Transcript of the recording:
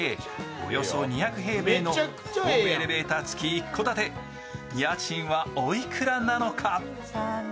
およそ２００平米のホームエレベーターつき一戸建て家賃はおいくらなのか？